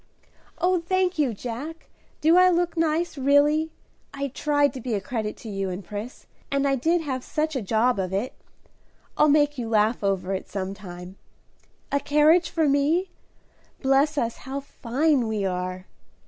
"Oh, thank you, Jack! Do I look nice, really? I tried to be a credit to you and Pris, and I did have such a job of it. I'll make you laugh over it some time. A carriage for me? Bless us, how fine we are!"